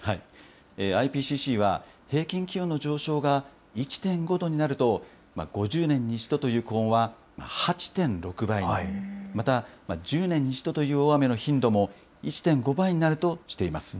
ＩＰＣＣは、平均気温の上昇が１．５度になると、５０年に１度という高温は８．６倍に、また、１０年に１度という大雨の頻度も１．５倍になるとしています。